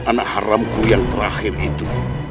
anak haramku yang terakhir itu